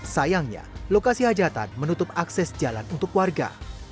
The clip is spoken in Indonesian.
sayangnya lokasi hajatan menutup akses jalan untuk warga